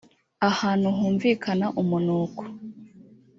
ahantu humvikana umunuko